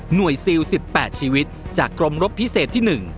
ซิล๑๘ชีวิตจากกรมรบพิเศษที่๑